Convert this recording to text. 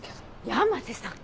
山瀬さん。